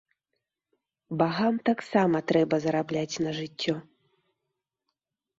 Багам таксама трэба зарабляць на жыццё.